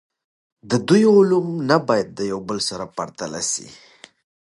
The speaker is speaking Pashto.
د دوی علوم نه باید د یو بل سره پرتله سي.